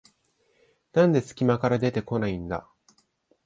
なんですき間から出てこないんだ